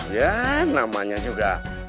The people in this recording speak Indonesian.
ya namanya juga